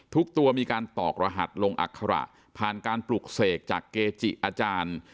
ทุกตัวมีการตอกรหัสลงอัคระผ่านการปลุกเสกจากเกจิอาจารย์